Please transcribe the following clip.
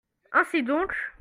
Ainsi donc.